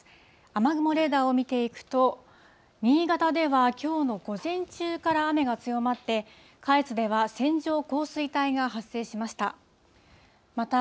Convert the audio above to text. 雨雲レーダーを見ていくと、新潟ではきょうの午前中から雨が強まって、下越では線状降水帯が発生しました。